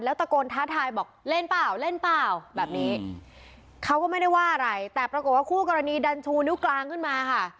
ตะโกนท้าทายบอกเล่นเปล่าเล่นเปล่าแบบนี้เขาก็ไม่ได้ว่าอะไรแต่ปรากฏว่าคู่กรณีดันชูนิ้วกลางขึ้นมาค่ะ